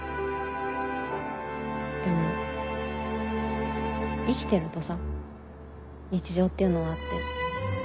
でも生きてるとさ日常っていうのはあって。